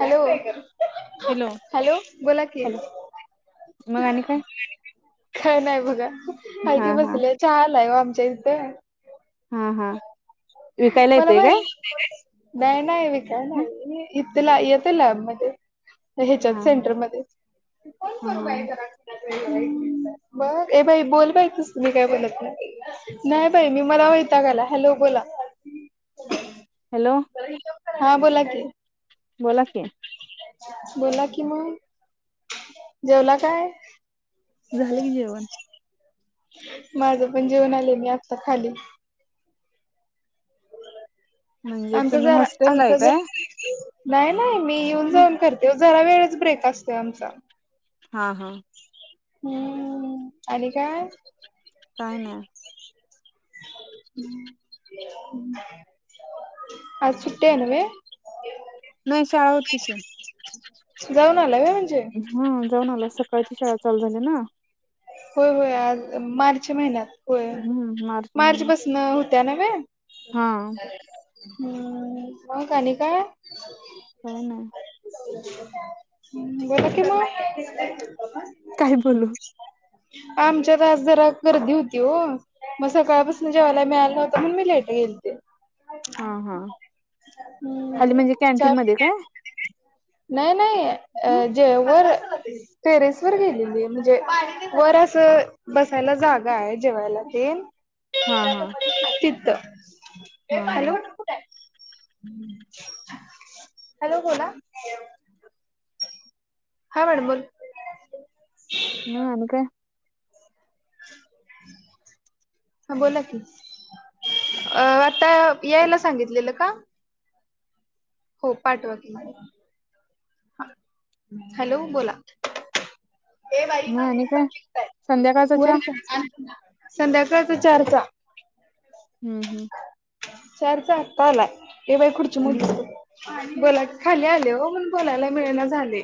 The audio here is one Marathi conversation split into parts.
हॅलो. हॅलो,, बोला की. हॅलो मग आणि काय काय नाही बघा,, हाय हा की हा बसल्यात. च्या आलाय ओ आमच्या इथं हा हा, विकायला मला येतय काय? नाही नाही,, विकाय नाही, इथ ला येतय म्हजे ह्याच्यात हा हा. सेंटरमध्ये अंम हा बघ, ए बाई बोल बाई तुझतु मी काय बोलत नाही. नाही बाई मी मला वैताग आला. हॅलो बोला. हॅलो. हां बोला की बोला की बोला कि मग,, जेवला काय? झालं की जेवन. माझं पण जेऊण आले मी आत्ता खाली. म्हणजे आमचं तुम्ही जरा हॉस्टेलला आहे आमचं घर काय नाही नाही मी येऊन जाऊन करते ओ, जरा वेळच ब्रेक असतो आमचा. हा हा. हम्म आणी काय? काय नाय. [unintelligible] आज सुट्टी हाय नन्हे. नाही शाळा होती की. जाऊन आलाय वय म्हणजे हम्म जाऊन आलो सकाळची शाळा चालू झाली ना. होय होय आज मार्च महिन्यात, होय, हम्म मार्च महिन्यात. मार्चपासनं होत्या नवे. हा हम्म मग आणी काय? काय नाय. म बोला कि म काय बोलू? आमच्यात आज जरा गर्दी होती हो,, मग सकाळपासनं जेवायला मिळालं नव्हतं म्हणून मी लेट गेल हा हा हम्म खाली म्हणजे च्या कॅन्टीन मध्ये काय नाही नाही अ ह जे वर टेरेस वर गेलेली म्हजे वर असं बसायला जागा आहे जेवायला तेन हा हा तिथं हा हा हॅलो हॅलो बोला हा मॅडम बोल म आणि काय? हा बोला की, आता यायला सांगितलेलं का? हो पाठवा की, हॅलो बोला ए बाई मग आणि पाण्याची काय बाटली कुठाय?, संध्याकाळचा चहा वरच हाय संध्याकाळच चार चा हम्म हम्म चार चा आता आलाय, ए बाई खुर्ची मुडली. बोला खाली आले ओ, म्हणून बोलायला मिळेना झालय,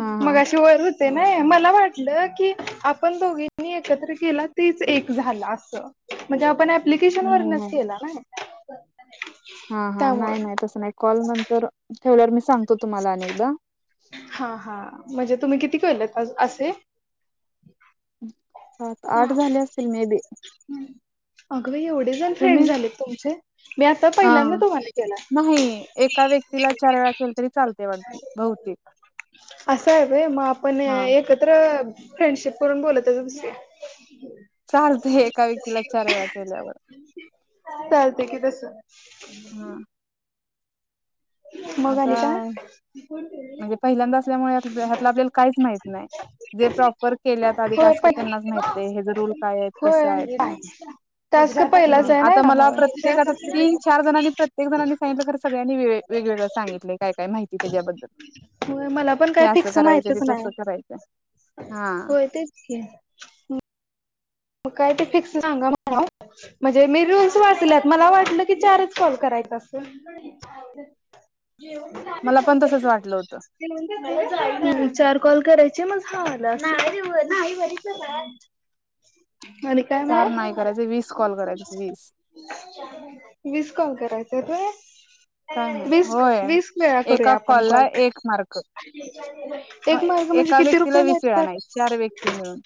हा हा मगाशी वर हो ते नाय, मला वाटलं की आपण दोघीनी एकत्र केला तीच एक झाला अस, म्हणजे आपण अँप्लिकेशन नाही वरनच नाही केला नाय. हा हा नाही नाही, तसं नाही कॉल नंतर ठेवल्यावर मी सांगतो तुम्हाला आणि एकदा. हा हा, म्हणजे तुम्ही किती केलेत अ असे? सात-आठ झाले असतील, मे बी अग बाई एवढे जण तुम्ही फ्रेंड झाले तुमचे, मी आता हा पहिल्यांदा तुम्हाला केलाय. नाही एका व्यक्तीला चार वेळा केलं तरी चालते वाटत बहुतेक असं हाय व्हय, मग आपण हा एक एकत्र फ्रेंडशिप करून बोलत असतील. चालतय, एका व्यक्तीला चार वेळा केल्यावर. चालते की तस हा मग आता आणि काय म्हणजे पहिल्यांदा असल्यामुळे ह्यातलं आपल्याला काहीच माहित नाही. जे प्रॉपर केल्यात आधी होय टास्क पण त्यांनाच माहित हेच रुल काय आहेत, कसं आहे. ते पाहिजे. हा आता मला प्रत्येक, आता तीन-चार जणांनी प्रत्य एक जणांनी सांगितलं खर, सगळ्यांनी वे वेगवेगळे सांगितलय, काय काय माहिती त्याच्याबद्दल व्हय मला पण हे काय असं फिक्स करायचं ते माहितच नाय, तसं करायचं हा व्हय तेच की म काय ते फिक्स सांगा म्हणावं. म्हणजे मी रूल्स वाचल्यात, मला वाटलं की चारच कॉल करायचा असं. जाऊद्या जेवण मला पण तसच वाटलं होतं झालंय [inaudible] चार कॉल करायचे मग झालं, अस आणि काय? चार नाही करायचे, वीस कॉल करायचे वीस वीस कॉल करायचेत व्हय? काय नाही वीस होय वीस वेळा एका करूया आपण कॉलला कॉल. एक मार्क एक मार्क म्हणजे एका किती व्यक्तीला रुपये वीस वेळा नाही चार व्यक्ती मिळत्यात? मिळून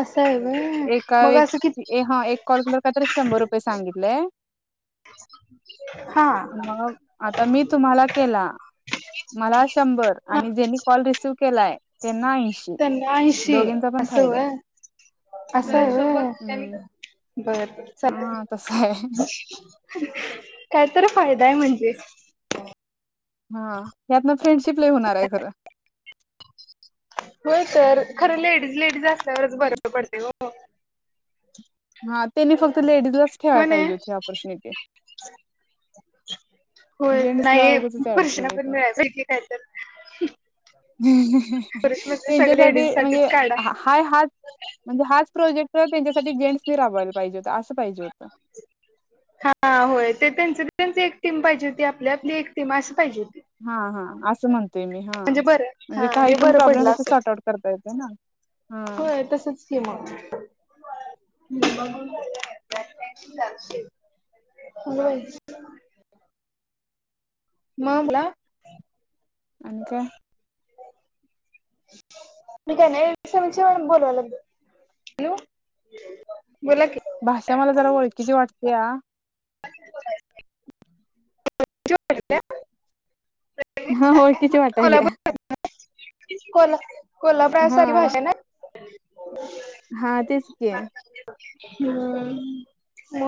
असाय व्हय, एका मग असं कीत व्यक्ती हा एक कॉल केल्यावर काय तर शंभर रुपये सांगितलय. हा मग, आता मी तुम्हाला केला. मला शंभर हा आणि, ज्यांनी कॉल रिसिव केलाय त्यांना ऐंशी. त्यांना ऐंशी, दोघींचा पण असं फायदा आहे व्हय, असाय हम्म व्हय. हम्म बर हा तस आहे चल काय तर फायदा आहे म्हणजे. हा यात ना फ्रेंडशिप लय होणार आहे खरं. हो तर खरं लेडीज लेडीज असल्यावरच बर पडते ओ. हा त्यांनी फक्त लेडीज लाच ठेवाय हो नाही पाहिजे होती ऑपॉर्च्युनिटी. होय जेंट्सला नाही उगचच ऍड केलंय त्यात [inaudible] पुरुष म्हणजे सगळे लेडीज त्यांच्यासाठी साठीच म्हणजे काढा हाय हात म्हणजे हाच प्रोजेक्ट त्यांच्यासाठी जेंट्स ने राबवायला पाहिजे होता, असं पाहिजे होतं. हा होय ते ते तेंचि तेंचि एक टीम पाहिजे होती, आपली आपली एक टीम अशी पाहिजे होती. हा हा असं म्हणतय मी हा. म्हणजे बरं म्हणजे हा काही पण बरं प्रॉब्लेम पडलं असं सॉर्ट आउट करता येते ना. ह होय [unintelligible] [inaudible] [unintelligible] आणि काय? आणि काय नाय समीक्षा मॅडम बोलवा लागली, हॅलो बोला कि, भाषा मला जरा ओळखीची वाटत्या. [unintelligible] [inaudible] हा ओळखीचे वाटलिया. कोल कोल्हापुर हा सारखेभाषा ना. हा तेच की [unintelligible] हम्म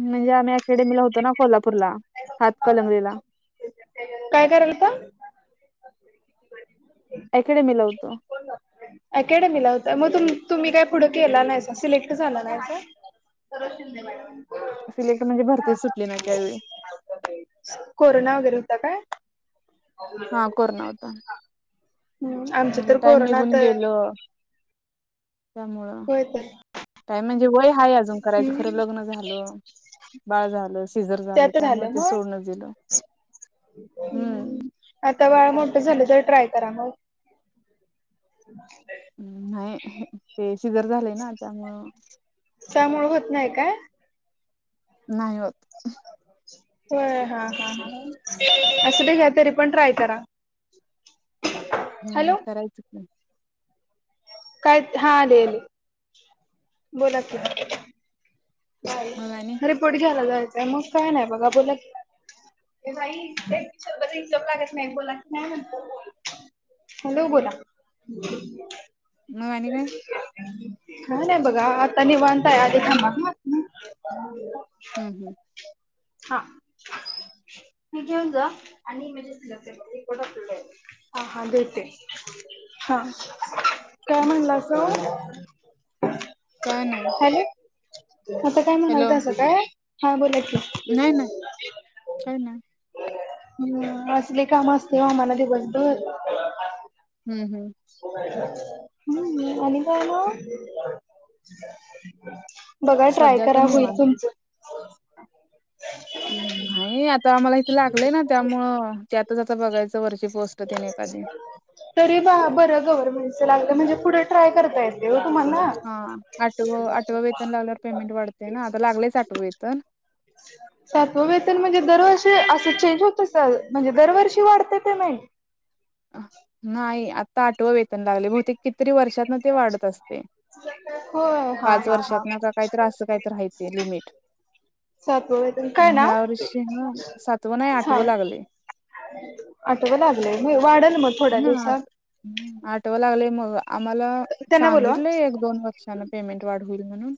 [inaudible] म्हणजे आम्ही अकेडेमीला होतो ना कोल्हापूरला हातकणंगलेला. काय कराेल [inaudible] अकॅडमी ला होतो. अकॅडमीला होत मग तुम्ही काय पुढं केला नाही सा, सिलेक्ट झाला नाही सा. कर शिंदे मॅडम. सिलेक्ट म्हणजे भरतीच सुटली नाही त्यावेळी, कोरोना वगैरे होता काय? हा कोरोना होता. हम्म आमच आणि तर टाइम कोरोनात निघून गेलं त्यामुळं, होय तर काय म्हणजे वय हाय अजून करायचं खरं हम्म लग्न झालं. बाळ झालं सिजर झालं त्यात त्यामुळे ते मग सोडण दिलं, हम्म. आता बाळ मोठ झाले तर ट्राय करा मग. [unintelligible] हम नाही ते सिजर झालेय ना त्यामुळं. त्यामूळ होत नाही काय? नाही होत. हो हा हा हा. तरी पण ट्राय करा. हम्म हॅलो करायचंच की. काय हा आले आले बोला की, मग आणि रिपोर्ट घ्यायला जायचंय. मग काय नाही बघा बोला की, ये बाई एकतर हिशोब लागत नाही, बोला की नाही, नंतर बोल. हॅलो बोला. [inaudible] मग आणि काय काय नाही बघा, आता निवांतय आली थांबा. ह्म-ह्म. हा. हे घेऊन जा आणि इमेजेस सिलेक्ट कर मी इथं बसलेली आहे. हा-हा देेते, हा. काय म्हणलास? काय नाय. हॅलो, आता काय म्हणाल तसं काय, हा बोला की. नाय ना, कोय ना. हं, असले काम असता, आम्हाला दिवसभर. ह्म-ह्म. ह्म, आणि काय मग? बघा ट्राय सध्या तर करा, होईल निवांत तुमचं. हम्म, नाही आता आम्हाला इथे लागलंय ना, त्यामुळं त्यातच आता बघायचं वर्ष ती पोस्ट तेन एखादे तरी बा बरं गव्हर्नमेंटचं लागलं, म्हणजे पुढे ट्राय करता येते हो तुम्हाला. हं आठव, आठव वेतन लागल्यावर पेमेंट वाढते ना, आता लागलेच आठव वेतन. [inaudible] सातव वेतन म्हणजे दरवर्षी असं चेंज होत असल, म्हणजे दरवर्षी वाढतं पेमेंट? नाही आता आठवं वेतन लावले, बहतेक कितीतरी वर्षांतन ते वाढत असते. होय हा पाच हा हा वर्षातनं का काय तरी असं कायतरी आहे, ते लिमिट. सातवं वेतन काय आणि नाव ह्या वर्षी ह सातव नाही, हा आठवं लागले. आठवं लागलंय नई वाढेल मग. थोड्या दिवसात [unintelligible] आठवं लागलंय, मग आम्हाला त्यांना बोलवा सांगितलंय एक- दोन वर्षाने पेमेंट वाढ होईल म्हणून.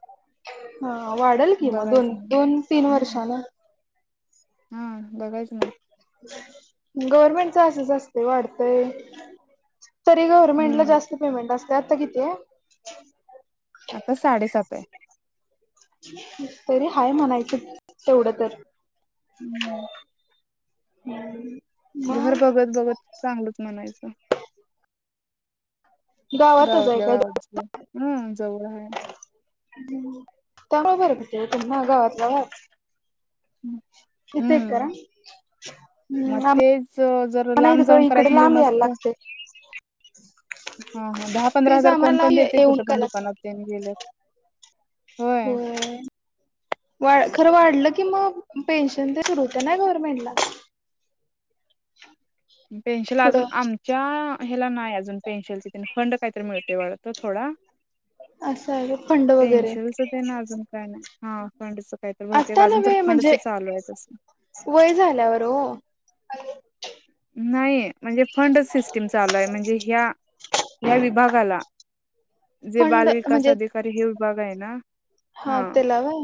हं वाढेल की म, बघायचं दोन- मग दोन, तीन वर्षांनं. हं बघायच मग. गव्हर्मेंटच असंच असतय वाढतंय तरी गव्हर्नमेंट ला हम्म जास्त पेमेंट असतं, आता कितीये? आता साडे-सात हे. तरी हाय म्हणायचं, तेवढं तर. हम्म. [unintelligible] घर मग बघत-बघत चांगलच म्हणायचं. गावातच आहे गावातल्या काय गावात, हम्म जवळ हाय. तेवढं बरं पडतंय ओ, तुम्हा गावातल्या गावात. हं, इथे करा. हम्म. ह्म ना चं जरू लांब जाऊन करायचं, नियम यायला असतं. लागते. हा-हा, दहा-पंधरा तेच हजार कोण आम्हाला पण देते, येऊन कुठं पण करायला दुकानात तेन गेलं. होय. वा खरं वाढलं की, मग पेन्शन तर सुरू होतं ना गव्हर्नमेंटला. पेन्शल अजून पुढं. आमच्या ह्याला नाय अजून. पेन्शल फंड काही-तरी मिळते, वाढत थोडा. असा हाय व्हय फंड? वगैरे पेन्शनच ना अजून काय नाही, हा फंडच काही तर बहुतेक आता अजून तर नव्हे फंडच म्हणजे चालू आहेच असं वय झाल्यावर ओ नाही म्हणजे फंडच सिस्टीम चालू आहे म्हणजे ह्या ह्या विभागाला जे फंड बालविकास म्हणजे अधिकारी हे विभाग हाय ना हा, त्याला व्हय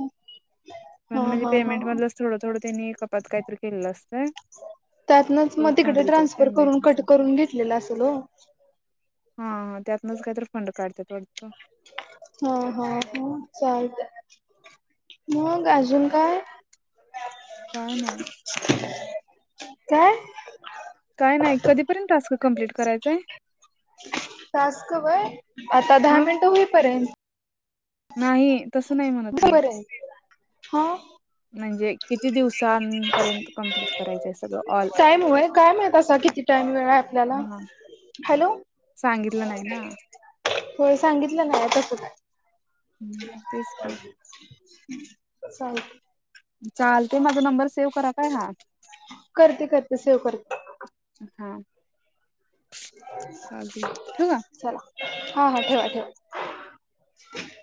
हा पण म्हणजे हा हा. पेमेंट मधलं थोडं थोडं त्यांनी कपात काहीतरी केलेलं असतयं. त्यातनच मग तिकडं ट्रान्सफर करून पेमेंटचा कट करून घेतलेला असल ओ हा हा त्यातनच काय तर फंड काढत्यात वाटतं. हा हा ह चालतंय. मग अजून काय काय नाय काय? काय नाही कधीपर्यंत टास्क कमप्लीट करायचांय टास्क वय आता दहा हा मिनटं होईपर्यंत नाही तसं नाही म्हणत मी बरं आहे हा म्हणजे किती दिवसांन पर्यंत कंप्लीट करायचंय सगळं ऑल काय मुया काय माहीत असं किती टाइम वेळ हाय आपल्याला हा हॅलो सांगितलं नाही ना होय सांगितलेलं हाय तसंच हम्म, तेच की [inaudible] चालतं चालतंय माझा नंबर सेव करा काय हा करते करते सेव्ह करते हा चालते ठेवू का हा हा ठेवा ठेवा